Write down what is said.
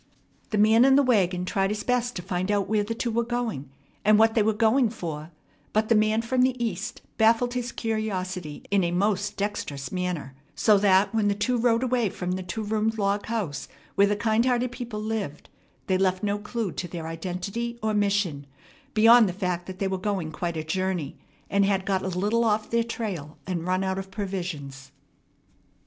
The man in the wagon tried his best to find out where the two were going and what they were going for; but the man from the East baffled his curiosity in a most dexterous manner, so that, when the two rode away from the two roomed log house where the kind hearted people lived, they left no clue to their identity or mission beyond the fact that they were going quite a journey, and had got a little off their trail and run out of provisions.